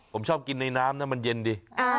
ผมชอบกินในน้ำนะมันเย็นดี